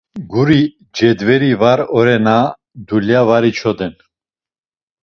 Guri cedveri var orena dulya var içoden.